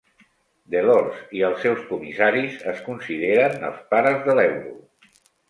Delors i els seus comissaris es consideren els "pares" de l'euro.